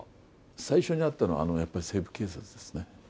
最初に会ったのは、やっぱり西部警察ですね。